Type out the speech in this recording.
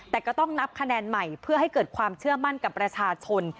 แต่ก็ต้องนับคะแนนใหม่เพื่อให้เกิดความเชื่อมั่นกับประชาชน